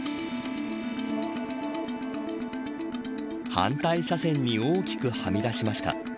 反対車線に大きくはみ出しました。